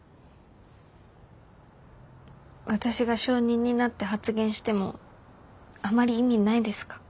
私が証人になって発言してもあまり意味ないですか？